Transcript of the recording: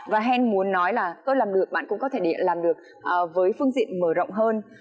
và hen muốn nói là tôi làm được bạn cũng có thể làm được với phương diện mở rộng hơn